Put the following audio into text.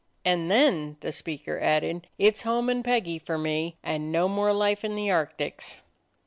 And then," the speaker added, "it 's home and Peggy for me, and no more life in the Arctics."